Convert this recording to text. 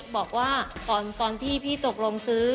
บอกว่าตอนที่พี่ตกลงซื้อ